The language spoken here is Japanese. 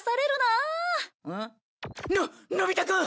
ん？ののび太くん！